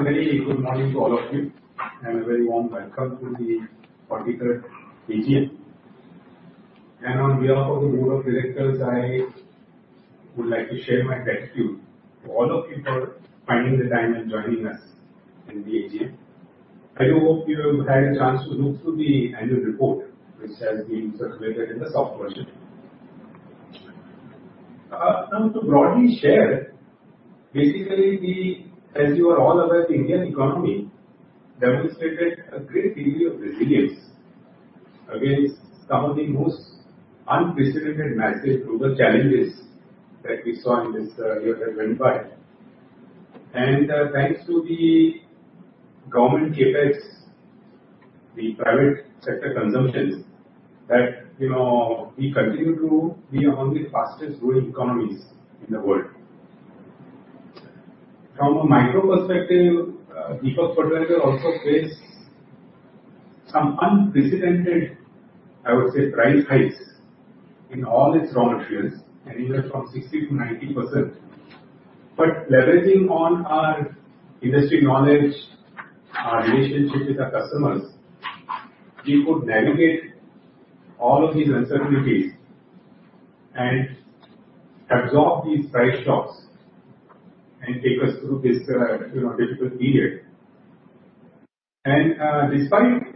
A very good morning to all of you, and a very warm welcome to the 43rd AGM. On behalf of the Board of Directors, I would like to share my gratitude to all of you for finding the time and joining us in the AGM. I do hope you have had a chance to look through the annual report, which has been circulated in the soft version. Now, to broadly share, basically, we, as you are all aware, the Indian economy demonstrated a great degree of resilience against some of the most unprecedented, massive global challenges that we saw in this year that went by. Thanks to the government CapEx, the private sector consumptions, that, you know, we continue to be among the fastest growing economies in the world. From a micro perspective, Deepak Fertilisers also faced some unprecedented, I would say, price hikes in all its raw materials, anywhere from 60%-90%. But leveraging on our industry knowledge, our relationship with our customers, we could navigate all of these uncertainties and absorb these price shocks and take us through this, you know, difficult period. And, despite,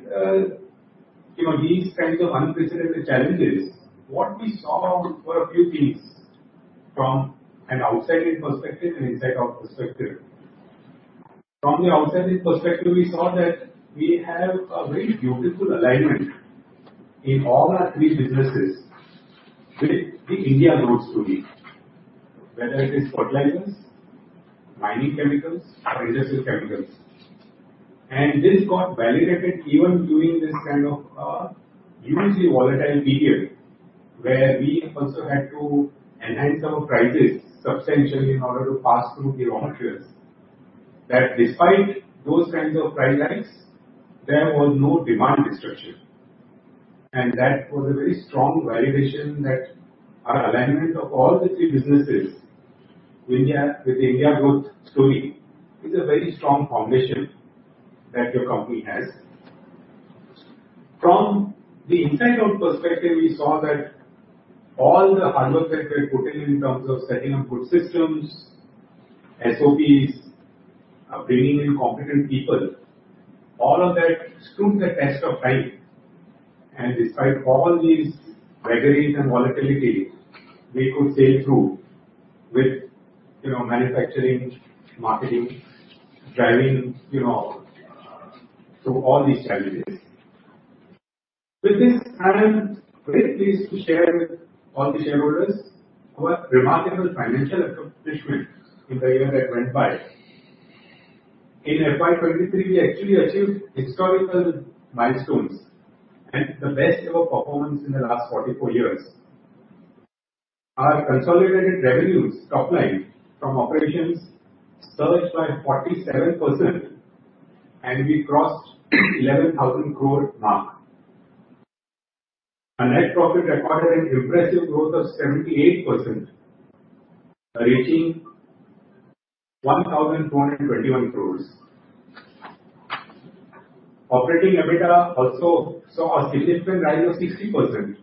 you know, these kinds of unprecedented challenges, what we saw were a few things from an outside-in perspective and inside-out perspective. From the outside-in perspective, we saw that we have a very beautiful alignment in all our three businesses with the India growth story. Whether it is fertilizers, mining chemicals, or industrial chemicals. And this got validated even during this kind of immensely volatile period, where we also had to enhance our prices substantially in order to pass through the raw materials. That despite those kinds of price hikes, there was no demand destruction, and that was a very strong validation that our alignment of all the three businesses, India, with India growth story, is a very strong foundation that your company has. From the inside-out perspective, we saw that all the hard work that we had put in, in terms of setting up good systems, SOPs, bringing in competent people, all of that stood the test of time. And despite all these vagaries and volatility, we could sail through with, you know, manufacturing, marketing, driving, you know, through all these challenges. With this, I am very pleased to share with all the shareholders our remarkable financial accomplishment in the year that went by. In FY 2023, we actually achieved historical milestones and the best ever performance in the last 44 years. Our consolidated revenues, top line, from operations surged by 47%, and we crossed 11,000 crore mark. Our net profit recorded an impressive growth of 78%, reaching INR 1,221 crore. Operating EBITDA also saw a significant rise of 60%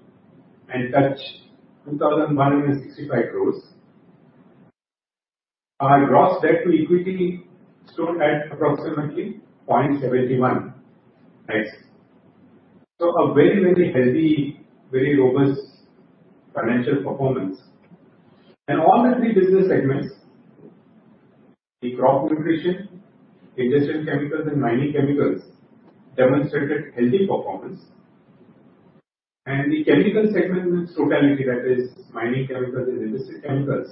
and touched 2,165 crore. Our gross debt to equity stood at approximately 0.71x. So a very, very healthy, very robust financial performance. And all the three business segments, the crop nutrition, industrial chemicals and mining chemicals, demonstrated healthy performance. And the chemical segment in its totality, that is mining chemicals and industrial chemicals,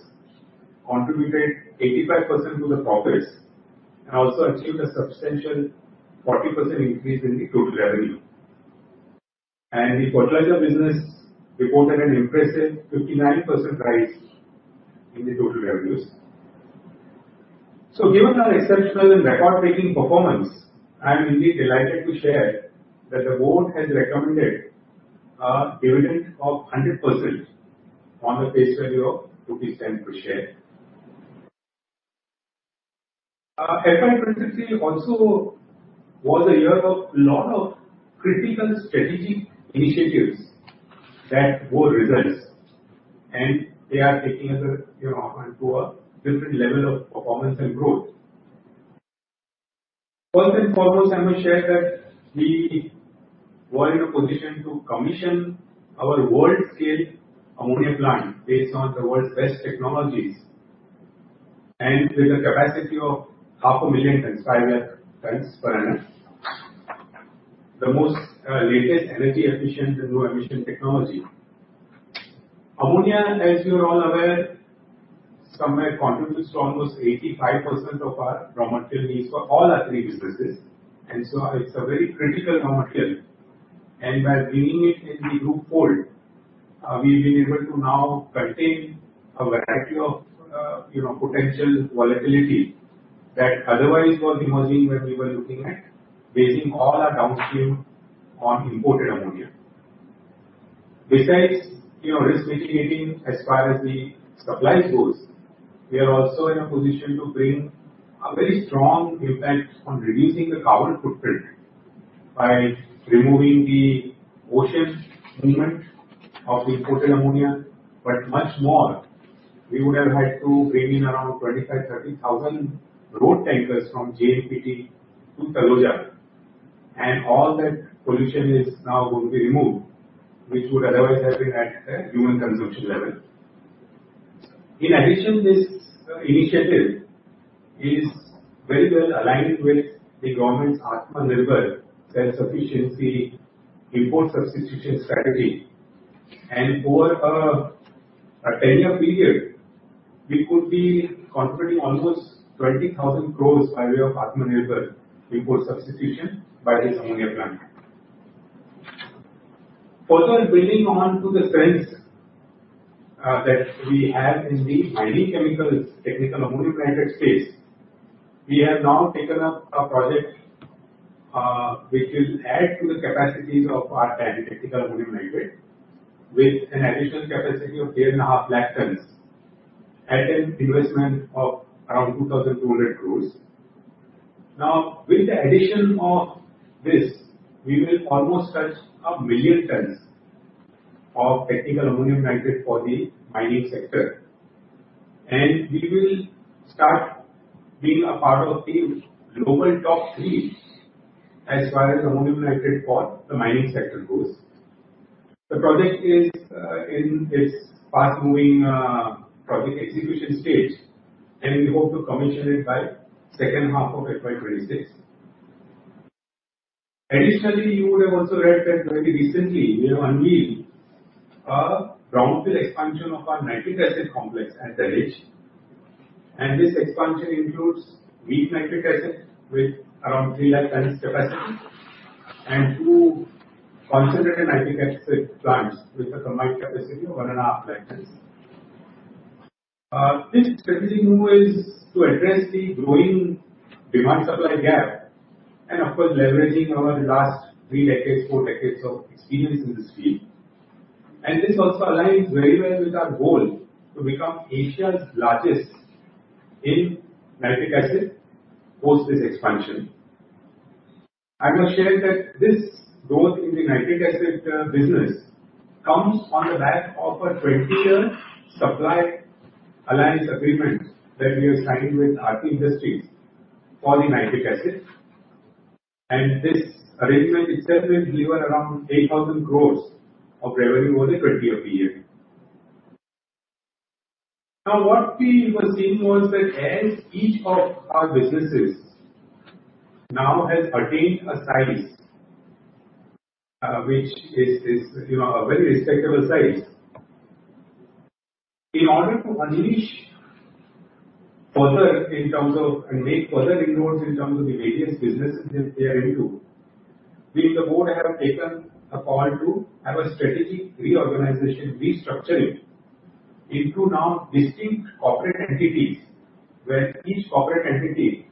contributed 85% to the profits and also achieved a substantial 40% increase in the total revenue. And the fertilizer business reported an impressive 59% rise in the total revenues. So given our exceptional and record-breaking performance, I am indeed delighted to share that the board has recommended a dividend of 100% on the face value of 10 per share. FY 2023 also was a year of a lot of critical strategic initiatives that bore results, and they are taking us, you know, onto a different level of performance and growth. First and foremost, I will share that we were in a position to commission our world-scale ammonia plant based on the world's best technologies, and with a capacity of 500,000 tons, 5 lakh tons per annum. The most latest energy efficient and low emission technology. Ammonia, as you are all aware, somewhere contributes to almost 85% of our raw material needs for all our three businesses, and so it's a very critical raw material. By bringing it in the into fold, we've been able to now curtail a variety of, you know, potential volatility that otherwise was emerging when we were looking at basing all our downstream on imported ammonia. Besides, you know, risk mitigating as far as the supply goes, we are also in a position to bring a very strong impact on reducing the carbon footprint by removing the ocean movement of imported ammonia. But much more, we would have had to bring in around 25,000-30,000 road tankers from JNPT to Taloja, and all that pollution is now going to be removed, which would otherwise have been at a human consumption level. In addition, this initiative is very well aligned with the government's Atmanirbhar self-sufficiency import substitution strategy, and over a ten-year period, we could be contributing almost 20,000 crore by way of Atmanirbhar import substitution by this ammonia plant. Further building on to the strengths that we have in the mining chemicals, technical ammonium nitrate space, we have now taken up a project which will add to the capacities of our technical ammonium nitrate with an additional capacity of 2.5 lakh tonnes at an investment of around 2,200 crore. Now, with the addition of this, we will almost touch 1,000,000 tonnes of technical ammonium nitrate for the mining sector, and we will start being a part of the global top three as far as ammonium nitrate for the mining sector goes. The project is in its fast moving project execution stage, and we hope to commission it by second half of FY 2026. Additionally, you would have also read that very recently we have unveiled a brownfield expansion of our nitric acid complex at Dahej, and this expansion includes weak nitric acid with around 300,000 tons capacity and 2 concentrated nitric acid plants with a combined capacity of 150,000 tons. This strategy move is to address the growing demand-supply gap and, of course, leveraging our last three decades, four decades of experience in this field. This also aligns very well with our goal to become Asia's largest in nitric acid post this expansion. I must share that this growth in the nitric acid business comes on the back of a 20-year supply alliance agreement that we have signed with Aarti Industries for the nitric acid, and this arrangement itself will deliver around 8,000 crore of revenue over the 20-year period. Now, what we were seeing was that as each of our businesses now has attained a size, which is, you know, a very respectable size. In order to unleash further in terms of... and make further inroads in terms of the various businesses that we are into, we, the board, have taken a call to have a strategic reorganization, restructuring into now distinct corporate entities, where each corporate entity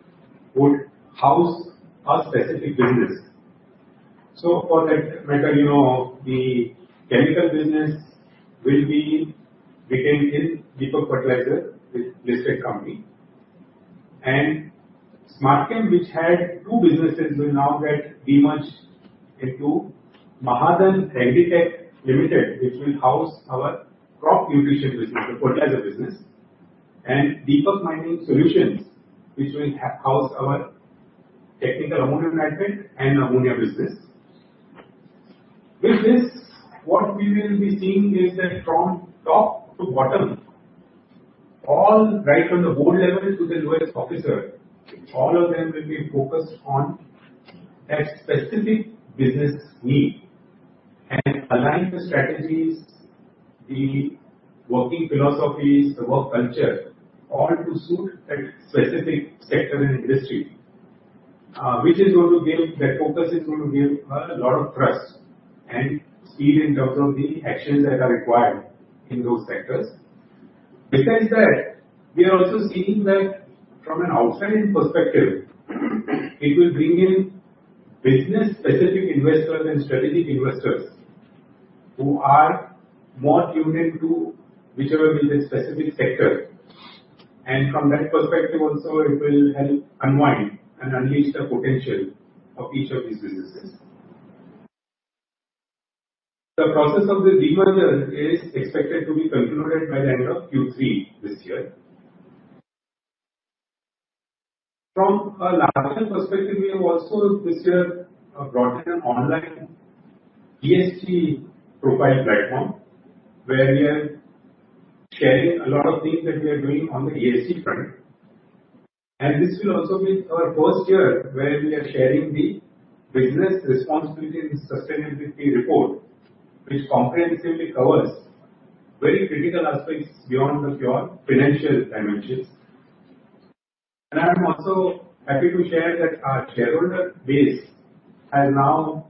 would house a specific business. So for that matter, you know, the chemical business will be retained in Deepak Fertilisers, the listed company, and Smartchem, which had two businesses, will now get demerged into Mahadhan Agritech Limited, which will house our crop nutrition business, the fertilizer business, and Deepak Mining Services, which will house our technical ammonium nitrate and ammonia business. With this, what we will be seeing is that from top to bottom, all right from the board level to the lowest officer, all of them will be focused on that specific business need and align the strategies, the working philosophies, the work culture, all to suit that specific sector and industry, which is going to give. That focus is going to give a lot of thrust and speed in terms of the actions that are required in those sectors. Besides that, we are also seeing that from an outside perspective, it will bring in business-specific investors and strategic investors who are more tuned in to whichever will be the specific sector. And from that perspective also, it will help unwind and unleash the potential of each of these businesses. The process of the demerger is expected to be concluded by the end of Q3 this year. From a larger perspective, we have also this year brought in an online ESG profile platform, where we are sharing a lot of things that we are doing on the ESG front. And this will also be our first year where we are sharing the Business Responsibility and Sustainability Report, which comprehensively covers very critical aspects beyond the pure financial dimensions. And I am also happy to share that our shareholder base has now,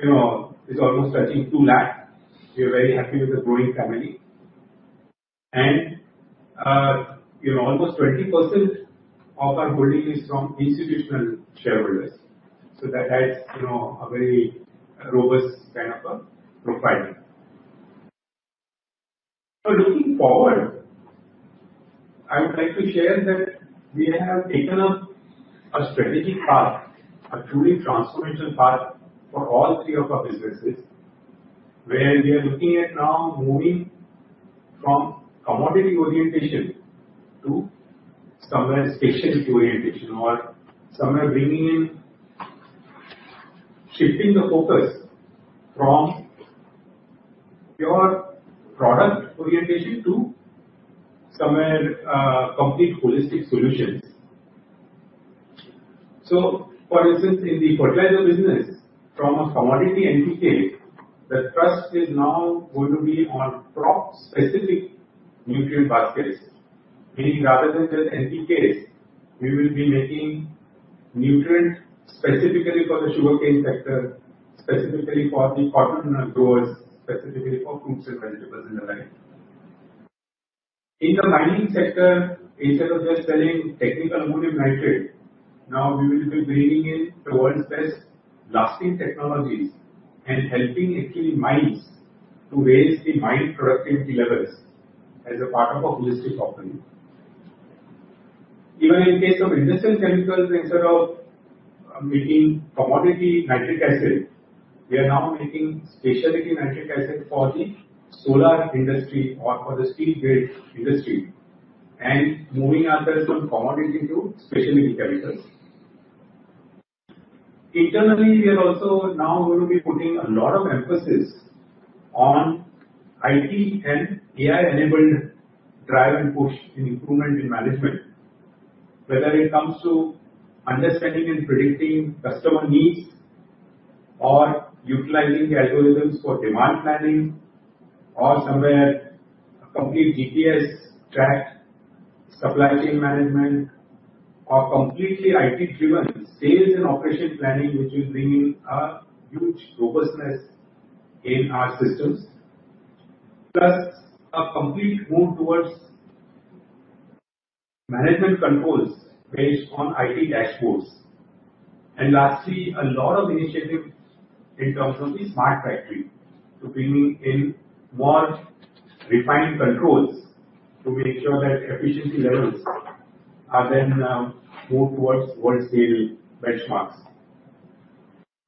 you know, is almost touching 200,000. We are very happy with the growing family. And, you know, almost 20% of our holding is from institutional shareholders. So that has, you know, a very robust kind of a profile. So looking forward, I would like to share that we have taken a strategic path, a truly transformational path for all three of our businesses, where we are looking at now moving from commodity orientation to somewhere specialty orientation, or somewhere bringing in shifting the focus from pure product orientation to somewhere complete holistic solutions. So for instance, in the fertilizer business, from a commodity NPK, the thrust is now going to be on crop specific nutrient baskets, meaning rather than just NPKs, we will be making nutrients specifically for the sugarcane sector, specifically for the cotton growers, specifically for fruits and vegetables in the line. In the mining sector, instead of just selling technical ammonium nitrate, now we will be bringing in the world's best blasting technologies and helping actually mines to raise the mine productivity levels as a part of a holistic offering. Even in case of industrial chemicals, instead of making commodity nitric acid, we are now making specialty nitric acid for the solar industry or for the steel grade industry, and moving others from commodity to specialty chemicals. Internally, we are also now going to be putting a lot of emphasis on IT and AI-enabled drive and push in improvement in management. Whether it comes to understanding and predicting customer needs or utilizing the algorithms for demand planning or somewhere a complete GPS track, supply chain management, or completely IT-driven sales and operation planning, which will bring in a huge robustness in our systems. Plus, a complete move towards management controls based on IT dashboards. And lastly, a lot of initiatives in terms of the smart factory, to bringing in more refined controls to make sure that efficiency levels are then, move towards world-scale benchmarks.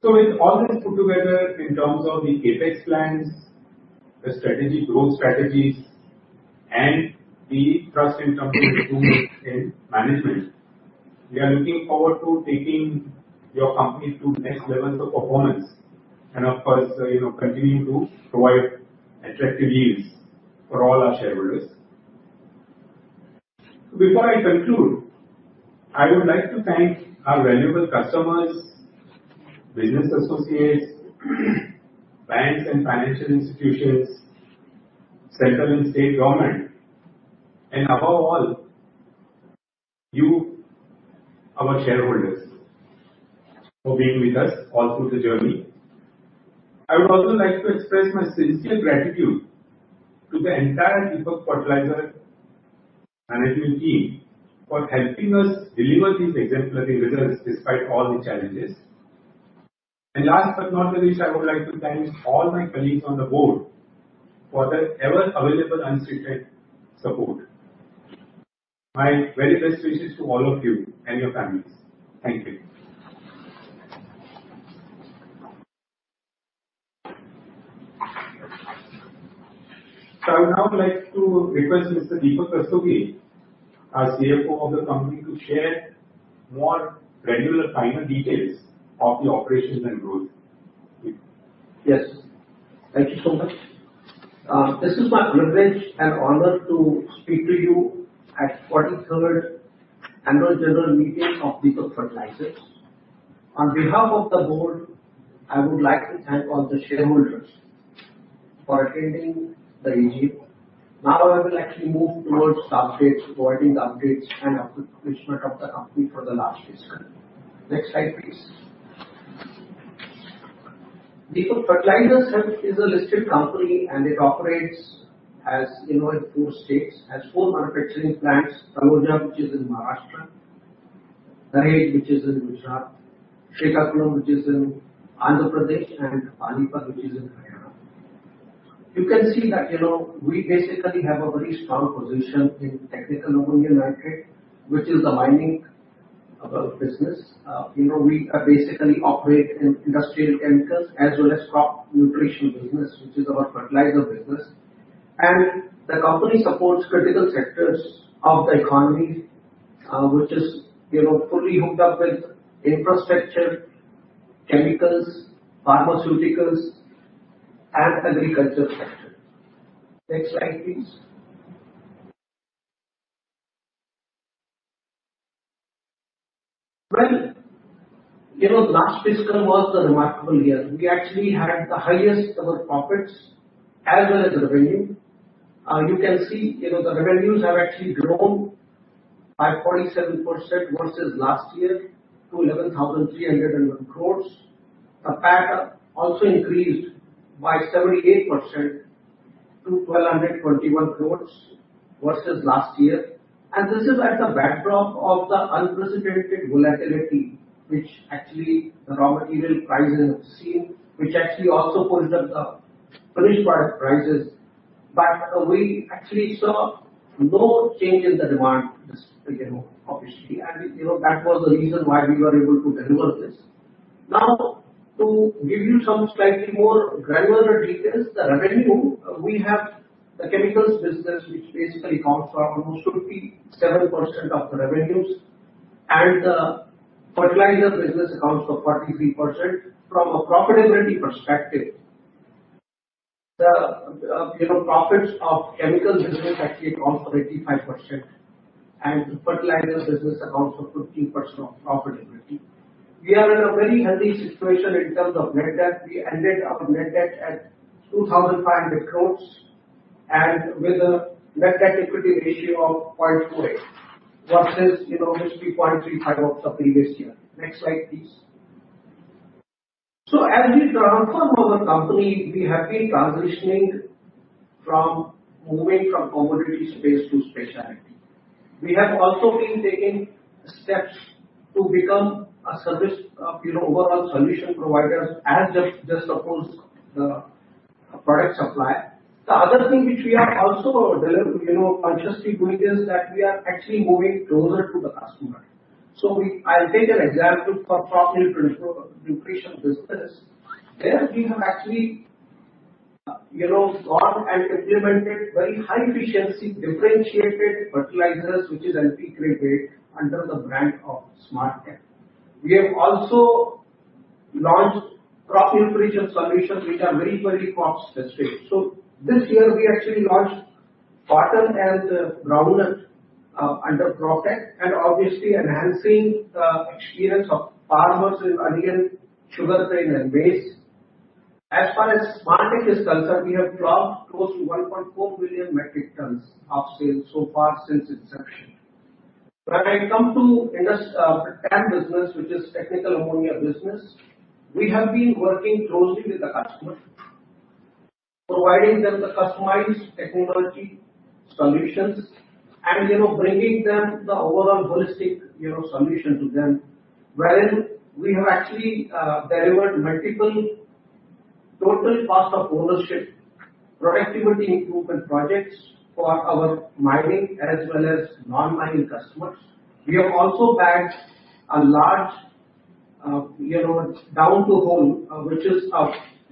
So with all this put together in terms of the CapEx plans, the strategy, growth strategies, and the thrust in terms of improvement in management, we are looking forward to taking your company to next levels of performance and, of course, you know, continuing to provide attractive yields for all our shareholders. Before I conclude, I would like to thank our valuable customers, business associates, banks and financial institutions, central and state government, and above all, you, our shareholders, for being with us all through the journey. I would also like to express my sincere gratitude to the entire Deepak Fertilisers management team for helping us deliver these exemplary results despite all the challenges. Last but not the least, I would like to thank all my colleagues on the board for their ever available unscheduled support. My very best wishes to all of you and your families. Thank you. I would now like to request Mr. Deepak Rastogi, our CFO of the company, to share more regular final details of the operations and growth. Thank you. Yes. Thank you so much. This is my privilege and honor to speak to you at 43rd Annual General Meeting of Deepak Fertilisers. On behalf of the board, I would like to thank all the shareholders for attending the AGM. Now, I will actually move towards the updates, providing the updates and accomplishment of the company for the last fiscal. Next slide, please. Deepak Fertilisers is a listed company, and it operates as you know, in four states, has four manufacturing plants: Taloja, which is in Maharashtra; Dahej, which is in Gujarat; Srikakulam, which is in Andhra Pradesh; and Panipat, which is in Haryana. You can see that, you know, we basically have a very strong position in technical ammonium nitrate, which is the mining of our business. You know, we are basically operate in industrial chemicals as well as crop nutrition business, which is our fertiliser business. The company supports critical sectors of the economy, which is, you know, fully hooked up with infrastructure, chemicals, pharmaceuticals, and agriculture sector. Next slide, please. Well, you know, last fiscal was a remarkable year. We actually had the highest ever profits as well as the revenue. You can see, you know, the revenues have actually grown by 47% versus last year to 11,301 crores. The PAT also increased by 78% to 1,221 crores versus last year. And this is at the backdrop of the unprecedented volatility, which actually the raw material prices have seen, which actually also pushed up the finished product prices. But we actually saw no change in the demand this year, obviously, and, you know, that was the reason why we were able to deliver this. Now, to give you some slightly more granular details, the revenue, we have the chemicals business, which basically accounts for almost 57% of the revenues, and the fertilizer business accounts for 43%. From a profitability perspective, the, you know, profits of chemical business actually accounts for 85%, and the fertilizer business accounts for 15% of profitability. We are in a very healthy situation in terms of net debt. We ended our net debt at 2,500 crore and with a net debt equity ratio of 0.48 versus, you know, which was 3.35 of the previous year. Next slide, please. So as we transform our company, we have been transitioning from moving from commodity space to specialty. We have also been taking steps to become a service, you know, overall solution provider as opposed to just the product supplier. The other thing which we are also delivering, you know, consciously doing is that we are actually moving closer to the customer. So we... I'll take an example. For crop nutrition, nutrition business, there we have actually, you know, gone and implemented very high efficiency, differentiated fertilizers, which is integrated under the brand of Smartchem. We have also launched crop nutrition solutions, which are very, very crop specific. So this year we actually launched Boronated Health Groundnut under Croptek, and obviously enhancing the experience of farmers with onion, sugarcane and maize. As far as Smartchem is concerned, we have crossed close to 1.4 million metric tons of sales so far since inception. When I come to industrial TAN business, which is technical ammonium nitrate business, we have been working closely with the customer, providing them the customized technology solutions and, you know, bringing them the overall holistic, you know, solution to them. Wherein we have actually delivered multiple total cost of ownership, productivity improvement projects for our mining as well as non-mining customers. We have also bagged a large, you know, down-the-hole, which is a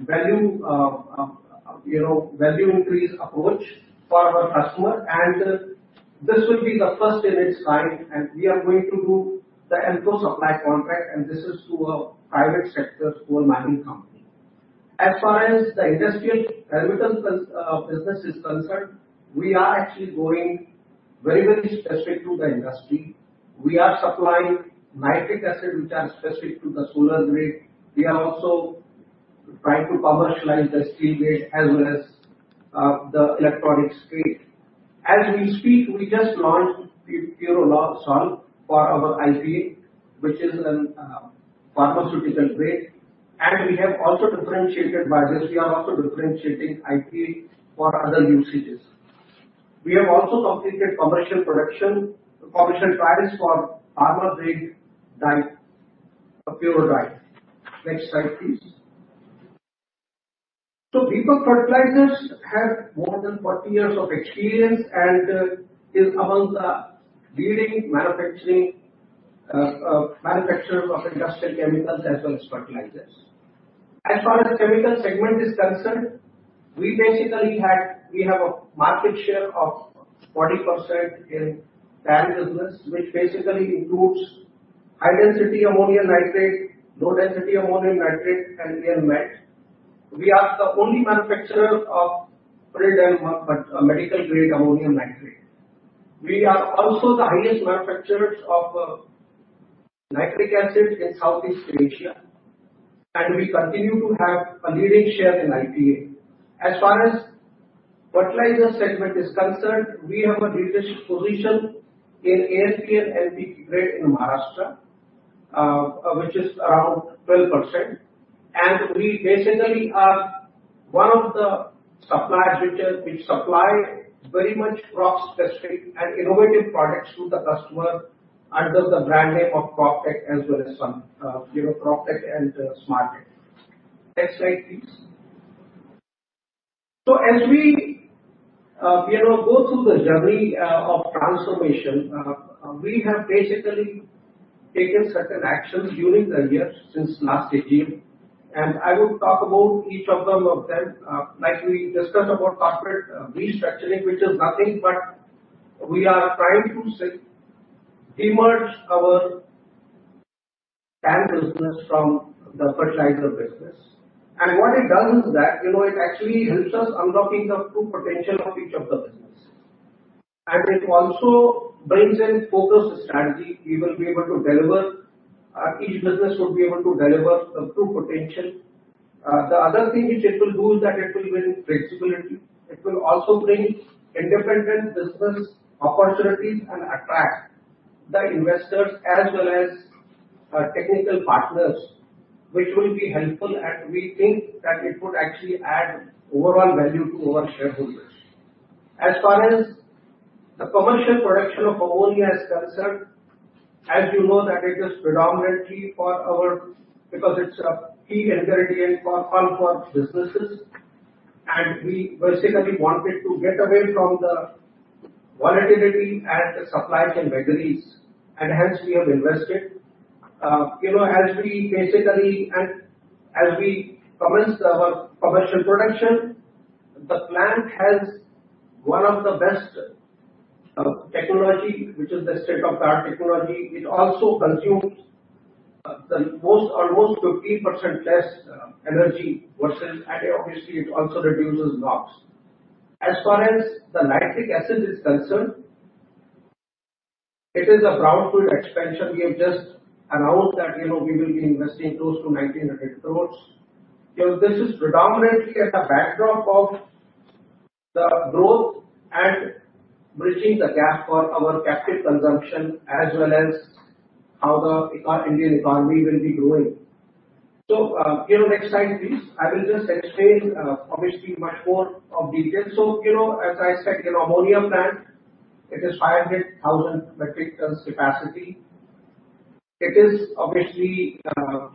value, you know, value increase approach for our customer. And this will be the first in its kind, and we are going to do the end-to-end supply contract, and this is to a private sector coal mining company. As far as the industrial chemicals business is concerned, we are actually going very, very specific to the industry. We are supplying nitric acid, which are specific to the solar grade. We are also trying to commercialize the steel grade as well as the electronics grade. As we speak, we just launched the pyrogen-free grade for our IPA, which is an pharmaceutical grade, and we have also differentiated by this. We are also differentiating IPA for other usages. We have also completed commercial production, commercial trials for pharma grade DIPE. Next slide, please. So Deepak Fertilisers have more than 40 years of experience and is among the leading manufacturers of industrial chemicals as well as fertilizers. As far as the chemical segment is concerned, we basically had. We have a market share of 40% in TAN business, which basically includes high density ammonium nitrate, low density ammonium nitrate, and AN Melt. We are the only manufacturer of medical grade ammonium nitrate. We are also the highest manufacturers of nitric acid in Southeast Asia, and we continue to have a leading share in IPA. As far as fertilizer segment is concerned, we have a leadership position in ANP and NP grade in Maharashtra, which is around 12%. And we basically are one of the suppliers, which supply very much crop-specific and innovative products to the customer under the brand name of Croptek, as well as some, you know, Croptek and Smartchem. Next slide, please. So as we, you know, go through the journey of transformation, we have basically taken certain actions during the year since last AGM, and I will talk about each of them. Like we discussed about corporate restructuring, which is nothing but we are trying to emerge our TAN business from the fertilizer business. What it does is that, you know, it actually helps us unlocking the true potential of each of the business, and it also brings in focused strategy we will be able to deliver, each business would be able to deliver the true potential. The other thing which it will do is that it will bring flexibility. It will also bring independent business opportunities and attract the investors as well as technical partners, which will be helpful, and we think that it would actually add overall value to our shareholders. As far as the commercial production of ammonia is concerned, as you know, that it is predominantly for our, because it's a key intermediate for all four businesses, and we basically wanted to get away from the volatility and the supply chain vagaries, and hence we have invested. You know, as we basically, and as we commenced our commercial production, the plant has one of the best, technology, which is the state-of-the-art technology. It also consumes, the most, almost 50% less, energy versus... And obviously, it also reduces NOx. As far as the nitric acid is concerned, it is a brownfield expansion. We have just announced that, you know, we will be investing close to 1,900 crore. You know, this is predominantly at the backdrop of the growth and bridging the gap for our captive consumption, as well as how the eco- Indian economy will be growing. So, you know, next slide, please. I will just explain, obviously much more of detail. So, you know, as I said, you know, ammonia plant, it is 500,000 metric tons capacity. It obviously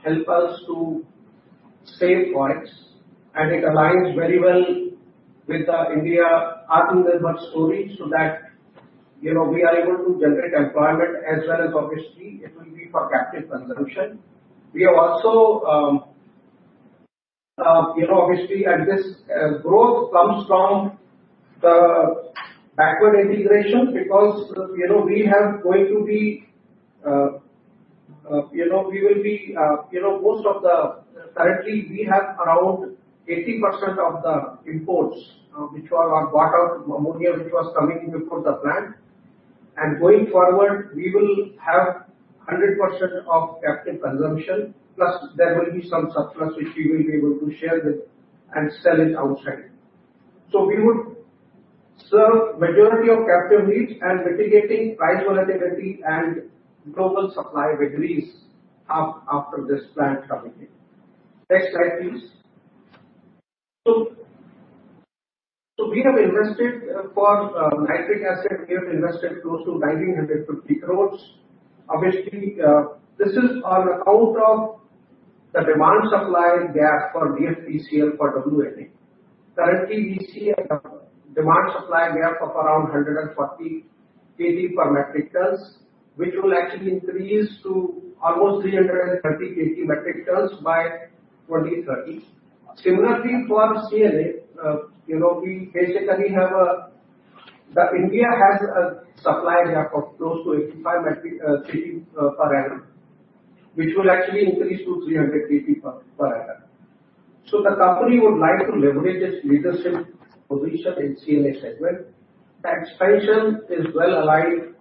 helps us to save forex, and it aligns very well with the India Atmanirbhar story, so that, you know, we are able to generate employment as well as, obviously, it will be for captive consumption. We have also, you know, obviously, and this growth comes from the backward integration because, you know, we will be. You know, most of the currently, we have around 80% of the imports, which we are bought-out ammonia, which was coming in before the plant. And going forward, we will have 100% of captive consumption, plus there will be some surplus which we will be able to share with and sell it outside. So we would serve majority of captive needs and mitigating price volatility and global supply vagaries after this plant coming in. Next slide, please. So we have invested for nitric acid close to 1,950 crore. Obviously, this is on account of the demand-supply gap for DFPCL for WNA. Currently, we see a demand-supply gap of around 140 KT, which will actually increase to almost 330 KT metric tons by 2030. Similarly, for our CNA, you know, we basically the India has a supply gap of close to 85 KT per annum, which will actually increase to 300 KT per annum. So the company would like to leverage its leadership position in CNA segment. The expansion is well aligned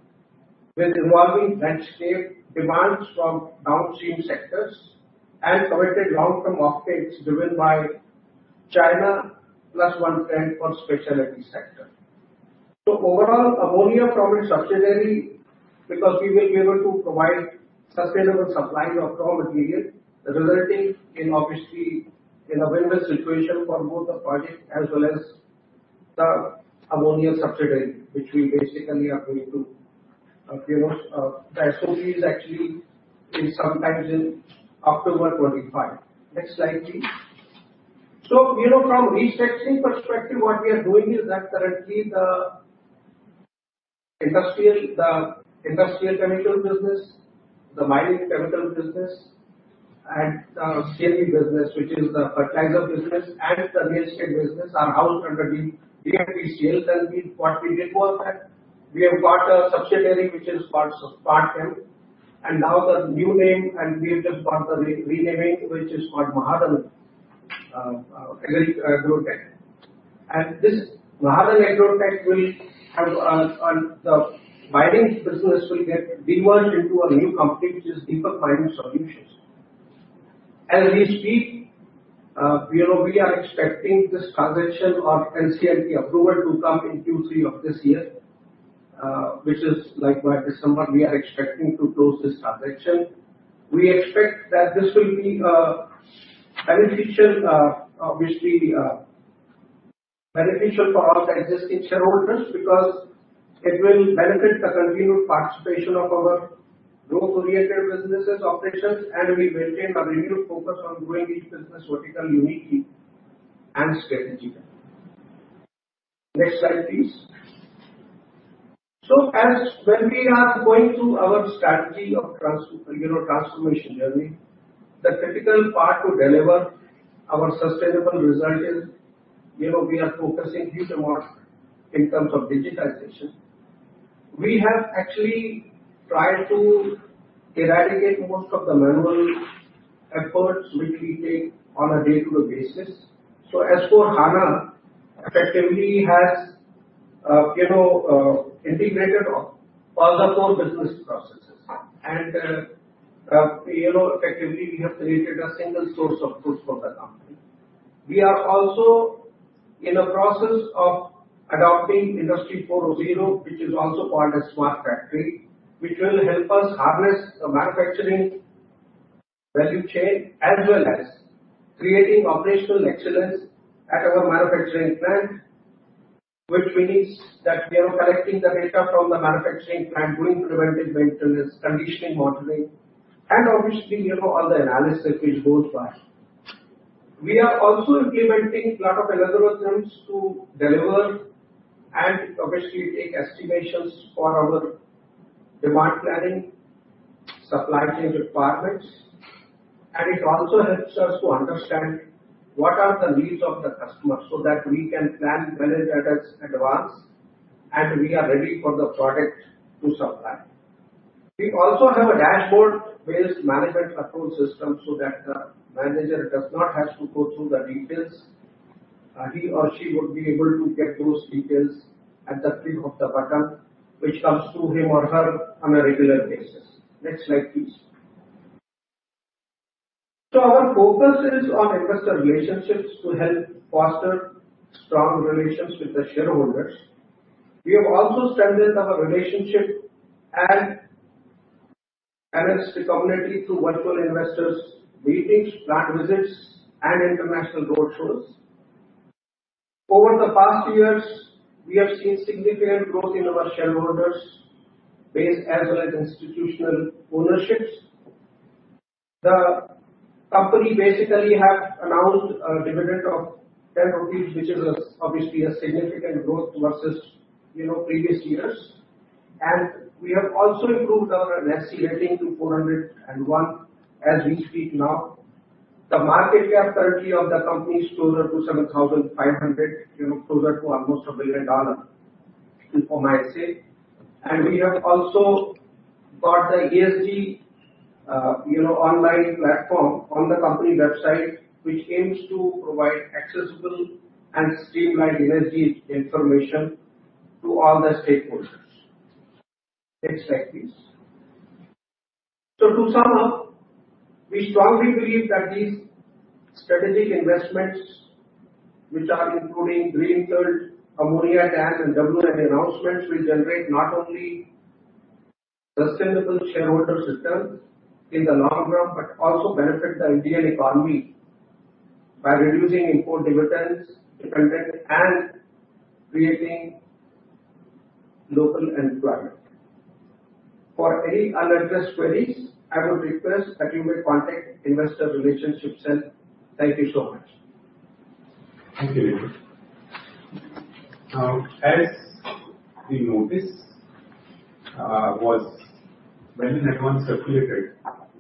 with evolving landscape demands from downstream sectors and committed long-term off takes driven by China+1 trend for specialty sector. So overall, ammonia from its subsidiary, because we will be able to provide sustainable supply of raw material, resulting in, obviously, in a win-win situation for both the parties as well as the ammonia subsidiary, which we basically are going to, you know, the asset is actually sometime in October 2025. Next slide, please. So, you know, from restructuring perspective, what we are doing is that currently the industrial chemical business, the mining chemical business and the CNB business, which is the fertilizer business and the real estate business, are housed under the DFPCL. And we, what we did for that, we have got a subsidiary which is called Smartchem, and now the new name, and we have just got the renaming, which is called Mahadhan Agritech. This Mahadhan Agritech will have, the mining business will get diverted into a new company, which is Deepak Mining Services. As we speak, we know we are expecting this transaction or NCLT approval to come in Q3 of this year, which is like by December, we are expecting to close this transaction. We expect that this will be, beneficial, obviously, beneficial for our existing shareholders, because it will benefit the continued participation of our growth-oriented businesses operations, and we maintain a renewed focus on growing each business vertical uniquely and strategically. Next slide, please. So as when we are going through our strategy of trans, you know, transformation journey, the critical part to deliver our sustainable results is, you know, we are focusing huge amounts in terms of digitization. We have actually tried to eradicate most of the manual efforts which we take on a day-to-day basis. So S/4HANA effectively has, you know, integrated all the core business processes. And, you know, effectively, we have created a single source of truth for the company. We are also in the process of adopting Industry 4.0, which is also called a smart factory, which will help us harness the manufacturing value chain, as well as creating operational excellence at our manufacturing plant. Which means that we are collecting the data from the manufacturing plant, doing preventive maintenance, conditioning, modeling, and obviously, you know, all the analysis which goes by. We are also implementing lot of algorithms to deliver and obviously take estimations for our demand planning, supply chain requirements, and it also helps us to understand what are the needs of the customer, so that we can plan, manage that in advance, and we are ready for the product to supply. We also have a dashboard-based management control system so that the manager does not have to go through the details. He or she would be able to get those details at the click of the button, which comes to him or her on a regular basis. Next slide, please. Our focus is on investor relationships to help foster strong relations with the shareholders. We have also strengthened our relationship and enhanced the community through virtual investors meetings, plant visits, and international roadshows. Over the past years, we have seen significant growth in our shareholders base, as well as institutional ownerships. The company basically have announced a dividend of 10 rupees, which is obviously a significant growth versus, you know, previous years. And we have also improved our NSE ranking to 401 as we speak now. The market cap currently of the company is closer to 7,500, you know, closer to almost $1 billion, if I might say. And we have also got the ESG, you know, online platform on the company website, which aims to provide accessible and streamlined ESG information to all the stakeholders. Next slide, please. So to sum up, we strongly believe that these strategic investments, which are including green field, ammonia, TAN and WNA announcements, will generate not only sustainable shareholder returns in the long run, but also benefit the Indian economy by reducing import dependence and creating local employment. For any unaddressed queries, I would request that you may contact Investor Relationships Cell. Thank you so much. Thank you, Deepak. Now, as the notice was well in advance circulated,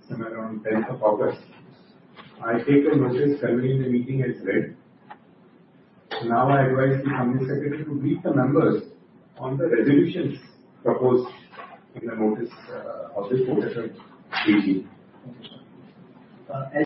somewhere around tenth of August, I take the notice convening the meeting as read. Now, I advise the company secretary to read the members on the resolutions proposed in the notice of this board meeting.